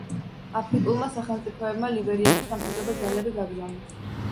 აფრიკულმა სახელმწიფოებმა ლიბერიაში სამშვიდობო ძალები გაგზავნეს.